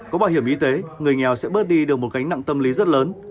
có bảo hiểm y tế người nghèo sẽ bớt đi được một gánh nặng tâm lý rất lớn